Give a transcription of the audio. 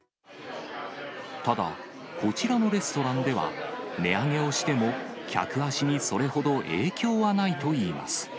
ただ、こちらのレストランでは、値上げをしても、客足にそれほど影響はないといいます。